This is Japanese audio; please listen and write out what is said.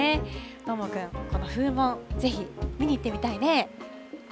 どーもくん、この風紋ぜひ見に行ってみたいね。